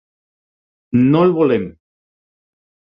No el volem!